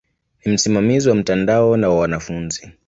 Ni msimamizi wa mtandao na wa wanafunzi.